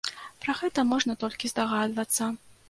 Пра гэта можна толькі здагадвацца.